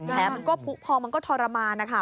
แถมพอมันก็ทรมานนะคะ